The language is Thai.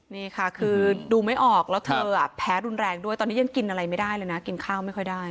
นี่ค่ะคือดูไม่ออกแล้วเธอแพ้รุนแรงด้วยตอนนี้ยังกินอะไรไม่ได้เลยนะกินข้าวไม่ค่อยได้